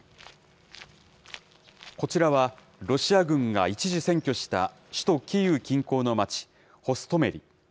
こちらは、ロシア軍が一時占拠した首都キーウ近郊の町、ホストメリ。